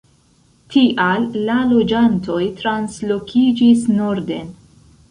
Tial la loĝantoj translokiĝis norden.